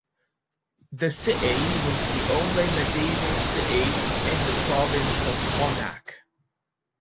The city was the only medieval city in the province of Connacht.